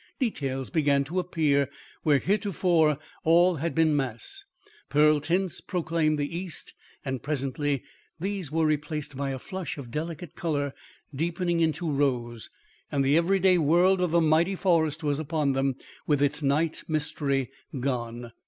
Details began to appear where heretofore all had been mass. Pearl tints proclaimed the east, and presently these were replaced by a flush of delicate colour deepening into rose, and the every day world of the mighty forest was upon them with its night mystery gone.